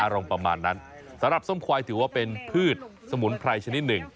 ประมาณนั้นสำหรับส้มควายถือว่าเป็นพืชสมุนไพรชนิดหนึ่ง